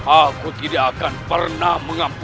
aku tidak akan pernah mengampuni